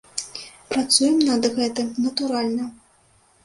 Працуем над гэтым, натуральна!